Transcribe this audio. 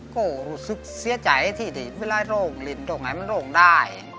ก็รู้สึกเสียใจที่เวลาโรคลินโรคไหนมันโรคได้